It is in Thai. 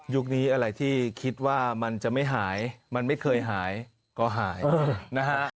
นี้อะไรที่คิดว่ามันจะไม่หายมันไม่เคยหายก็หายนะฮะ